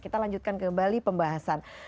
kita lanjutkan kembali pembahasan